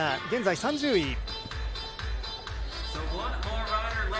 現在３０位。